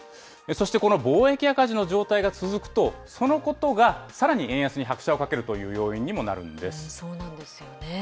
そしてこの貿易赤字の状態が続くと、そのことがさらに円安に拍車をかけるという要因にもなるんです。